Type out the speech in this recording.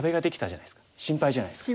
心配じゃないですか。